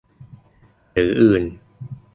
หรืออื่น